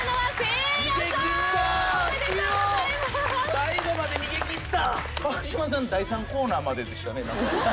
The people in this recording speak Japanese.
最後まで逃げ切った！